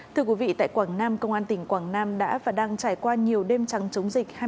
thưa quý vị tại quảng nam công an tỉnh quảng nam đã và đang trải qua nhiều đêm trắng chống dịch